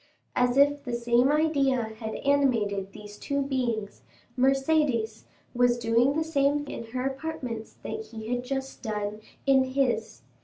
As if the same idea had animated these two beings, Mercédès was doing the same in her apartments that he had just done in his.